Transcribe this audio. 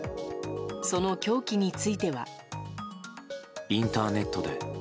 その凶器については。